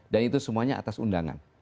dan itu semuanya atas undangan